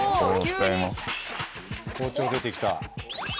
包丁出てきた。